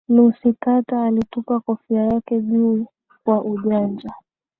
lucy carter alitupa kofia yake juu kwa ujanja